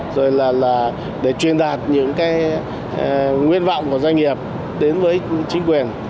rồi là để truyền đạt những cái nguyện vọng của doanh nghiệp đến với chính quyền